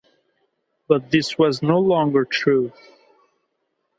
But this was no longer true.